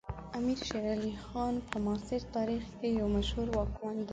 امیر شیر علی خان په معاصر تاریخ کې یو مشهور واکمن دی.